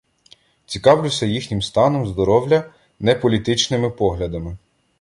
Цікавлюся їхнім станом здоровля, не політичними поглядами.